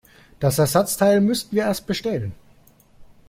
Das Ersatzteil müssten wir erst bestellen.